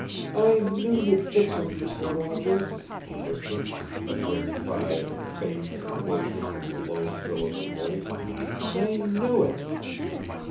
"I knew you'd fix him, Mister Roger," she whispered, a great pride and faith and worship in the low thrill of her voice. "I knew it!"